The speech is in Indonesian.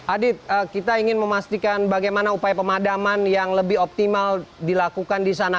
adit kita ingin memastikan bagaimana upaya pemadaman yang lebih optimal dilakukan di sana